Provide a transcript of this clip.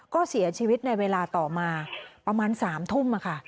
ก็เสียชีวิตในเวลาต่อมาประมาณ๓ทุ่มค่ะ